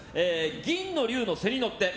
銀の龍の背に乗って。